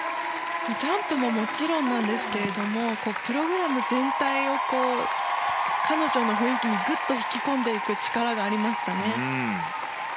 ジャンプももちろんなんですがプログラム全体を彼女の雰囲気にぐっと引き込んでいく力がありました。